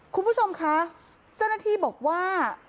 คุณผู้ชมคะเจ้าหน้าที่บอกว่า